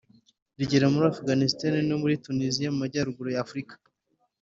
rigera muri afuganisitani no muri tuniziya mu majyaruguru ya afurika